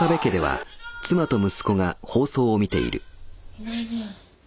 いないね。